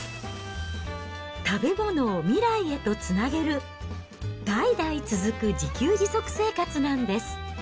食べ物を未来へとつなげる、代々続く自給自足生活なんです。